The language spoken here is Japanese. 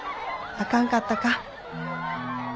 あかんかったか。